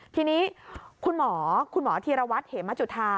ทีนี้คุณหมอคุณหมอธีรวัตรเหมจุธา